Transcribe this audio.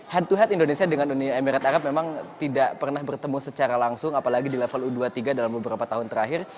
head to head indonesia dengan uni emirat arab memang tidak pernah bertemu secara langsung apalagi di level u dua puluh tiga dalam beberapa tahun terakhir